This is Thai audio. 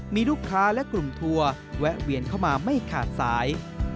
มีลูกค้าและกลุ่มทัวร์แวะเวียนเข้ามาไม่ขาดสาย